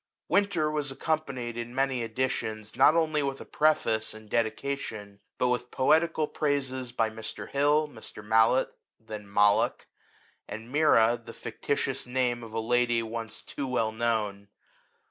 Winter*' was accompanied, in many editions, not only with a preface and dedica tion, but with poetical praises by Mr. Hill, Mr. Mallet (then Malloch), and Mira, the fictitious name of a lady once too well known.